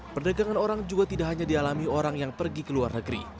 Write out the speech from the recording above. perdagangan orang juga tidak hanya dialami orang yang pergi ke luar negeri